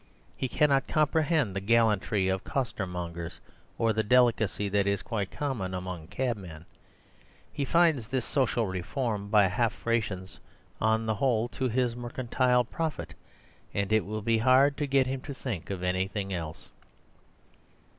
He cannot comprehend the gallantry of costermongers or the delicacy that is quite common among cabmen. He finds this social reform by half rations on the whole to his mercantile profit, and it will be hard to get him to think of anything else.